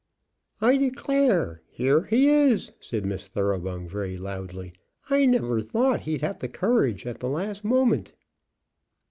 "I declare, here he is!" said Miss Thoroughbung, very loudly. "I never thought he'd have the courage at the last moment."